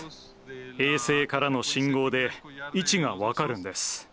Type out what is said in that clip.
衛星からの信号で位置が分かるんです。